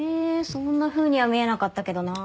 そんなふうには見えなかったけどなあ。